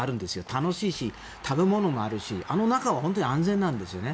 楽しいし食べ物もあるしあの中は安全なんですよね。